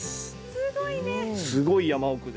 すごい山奥です。